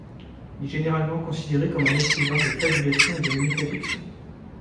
Il est généralement considéré comme un écrivain de fabulation et de métafiction.